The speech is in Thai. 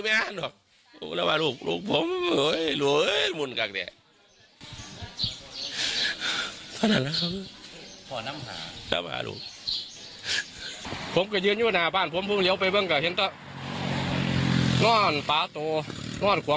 จนหรือยักษ์ร้อนมากว่ามีใครไปก่ำลาบกันเปล่า